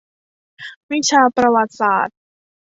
วิชาประวัติศาสตร์